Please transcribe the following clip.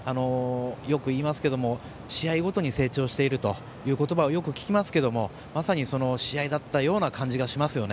よく言いますけども試合ごとに成長しているという言葉をよく聞きますけどもまさにそんな試合だったような気がしました。